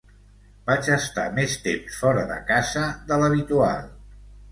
Vaig estar més temps fora de casa de l'habitual.